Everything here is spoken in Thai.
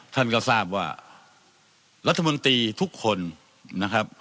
ท่านก็ทราบว่ารัฐมนตรีทุกคนนะครับ